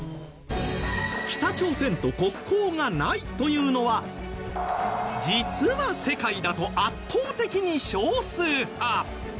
北朝鮮と国交がないというのは実は世界だと圧倒的に少数派。